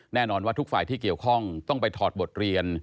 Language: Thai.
แน่นอนว่าทุกฝ่ายที่เกี่ยวข้องต้องไปถอดบทเรียน